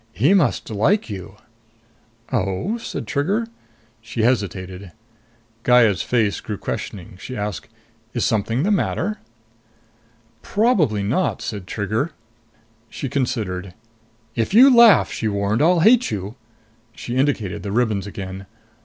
"He must like you!" "Oh?" said Trigger. She hesitated. Gaya's face grew questioning. She asked, "Is something the matter?" "Probably not," said Trigger. She considered. "If you laugh," she warned, "I'll hate you." She indicated the ribbons again.